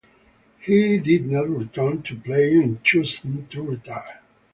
He did not return to playing, and chose to retire.